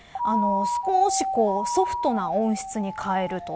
少しソフトな音質に変えると。